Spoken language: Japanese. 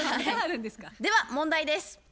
では問題です。